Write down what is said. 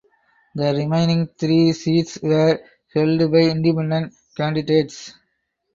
The remaining three seats were held by independent candidates.